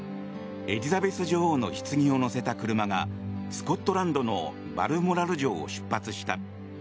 エリザベス女王のひつぎを載せた車がスコットランドのバルモラル城を出発した。